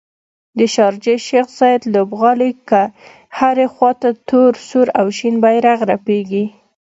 د شارجې شیخ ذاید لوبغالي کې هرې خواته تور، سور او شین بیرغ رپیږي